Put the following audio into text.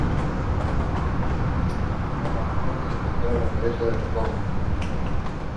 Elytra slightly longer and wide as pronotum.